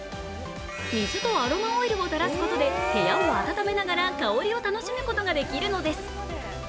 水とアロマオイルを垂らすことで部屋を暖めながら香りを楽しむことができるのです。